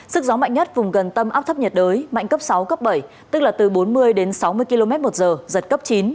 sức gió mạnh nhất vùng gần tâm áp thấp nhiệt đới mạnh cấp sáu cấp bảy tức là từ bốn mươi đến sáu mươi km một giờ giật cấp chín